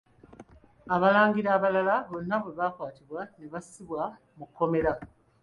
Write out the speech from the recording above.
Abalangira abalala bonna bwe baakwatibwa ne bassibwa mu kkomera.